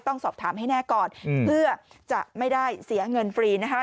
ต้องสอบถามให้แน่ก่อนเพื่อจะไม่ได้เสียเงินฟรีนะคะ